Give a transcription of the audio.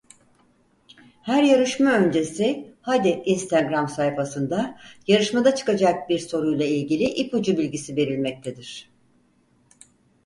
Her yarışma öncesi Hadi Instagram sayfasında yarışmada çıkacak bir soruyla ilgili ipucu bilgisi verilmektedir.